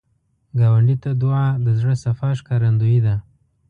ګاونډي ته دعا، د زړه صفا ښکارندویي ده